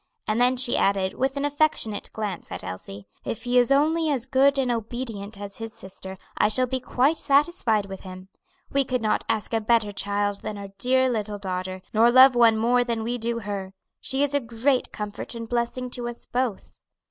And then she added, with an affectionate glance at Elsie: "If he is only as good and obedient as his sister, I shall be quite satisfied with him. We could not ask a better child than our dear little daughter, nor love one more than we do her; she is a great comfort and blessing to us both."